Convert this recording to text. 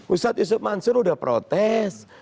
ustadz yusuf mansur sudah protes